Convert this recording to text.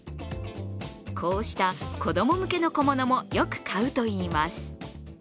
こうした子供向けの小物もよく買うといいます。